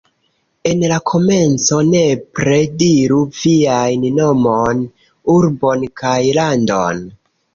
En la komenco, nepre diru viajn nomon, urbon kaj landon.